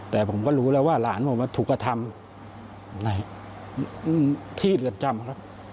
แต่ผมก็รู้แล้วว่าหลานผมถูกกระทำในที่เรือนจำครับ